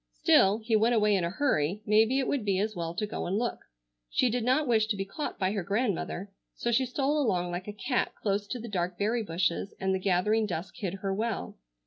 Still, he went away in a hurry, maybe it would be as well to go and look. She did not wish to be caught by her grandmother, so she stole along like a cat close to the dark berry bushes, and the gathering dusk hid her well.